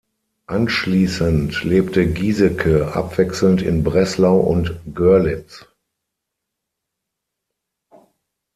Anschließend lebte Giseke abwechselnd in Breslau und Görlitz.